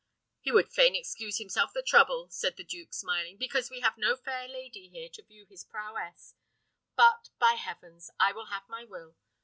"He would fain excuse himself the trouble," said the duke, smiling, "because we have no fair lady here to view his prowess; but, by heavens! I will have my will.